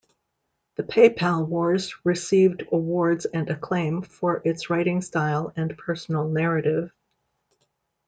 "The PayPal Wars" received awards and acclaim for its writing style and personal narrative.